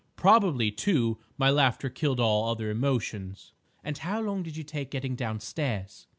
Probably, too, my laughter killed all other emotions." "And how long did you take getting downstairs?"